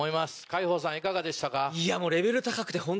海宝さんいかがでしたか？